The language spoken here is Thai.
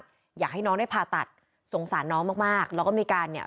อยากให้น้องได้ผ่าตัดสงสารน้องมากมากแล้วก็มีการเนี่ย